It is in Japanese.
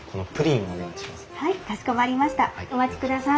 お待ちください。